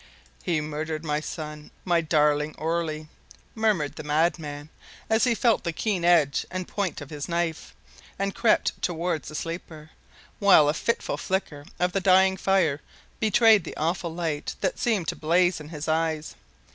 "He murdered my son my darling Orley!" murmured the madman, as he felt the keen edge and point of his knife, and crept towards the sleeper, while a fitful flicker of the dying fire betrayed the awful light that seemed to blaze in his eyes.